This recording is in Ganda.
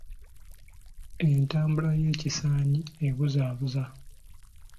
Entambula y’ekisaanyi ebuzaabuza.